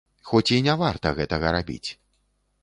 Хоць і не варта гэтага рабіць.